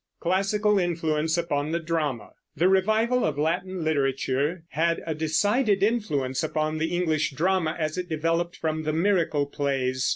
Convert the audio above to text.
CLASSICAL INFLUENCE UPON THE DRAMA. The revival of Latin literature had a decided influence upon the English drama as it developed from the Miracle plays.